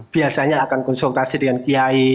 biasanya akan konsultasi dengan kiai